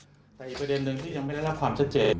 แต่อีกประเด็นนึงที่ยังไม่ได้รับความชัดเจน